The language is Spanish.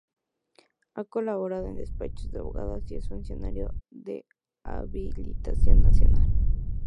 Ha colaborado en despachos de abogados y es funcionario de habilitación nacional.